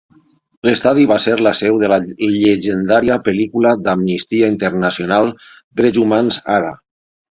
L'estadi va ser la seu de la llegendària pel·lícula d'Amnistia Internacional "Drets Humans Ara".